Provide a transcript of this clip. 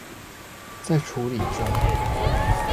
在處理中